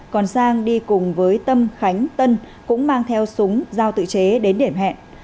còn sang đi cùng với tâm khánh tân cũng mang theo súng giao tự chế đến điểm hẹn